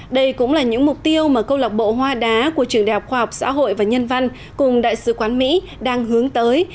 đây cũng là những mục tiêu mà câu lọc bộ hoa đá của trường đại học khoa học xã hội và nhân văn cùng đại sứ quán mỹ đang hướng tới